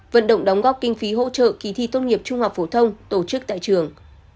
vận động đóng góp kinh phí hỗ trợ kỳ thi tốt nghiệp trung học phổ thông tổ chức tại trường